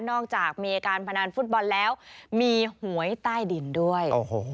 จากมีอาการพนันฟุตบอลแล้วมีหวยใต้ดินด้วย